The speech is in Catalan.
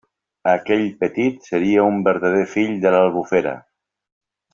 Aquell petit seria un verdader fill de l'Albufera.